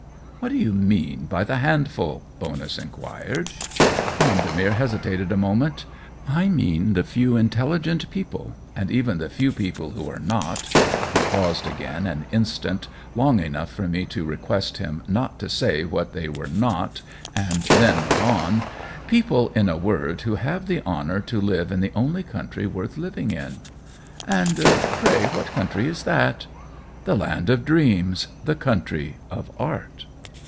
"What do you mean by the handful?" Bonus inquired. Vendemer hesitated a moment. " I mean the few intelligent people, and even the few people who are not —" He paused again an instant, long enough for me to request him not to say what they were " not," and then went on :" People, in a word, who have Il8 COLLABORATION the honor to live in the only country worth living in." "And pray what country is that ?" "The land of dreams — the country of art."